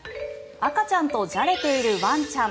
赤ちゃんとじゃれているワンちゃん。